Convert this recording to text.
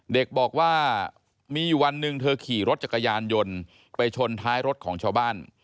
เด็กบอกว่ามีอยู่วันหนึ่งเธอขี่รถจักรยานยนต์ไปชนท้ายรถของชาวบ้าน